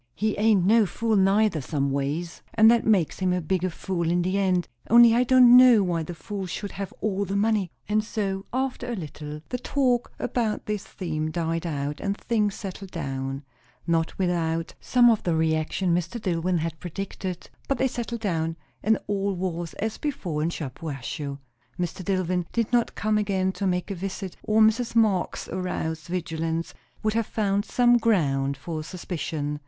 He ain't no fool neither, some ways; and that makes him a bigger fool in the end; only I don't know why the fools should have all the money." And so, after a little, the talk about this theme died out, and things settled down, not without some of the reaction Mr. Dillwyn had predicted; but they settled down, and all was as before in Shampuashuh. Mr. Dillwyn did not come again to make a visit, or Mrs. Marx's aroused vigilance would have found some ground for suspicion.